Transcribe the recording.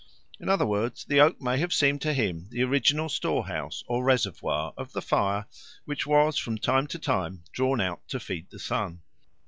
In other words, the oak may have seemed to him the original storehouse or reservoir of the fire which was from time to time drawn out to feed the sun.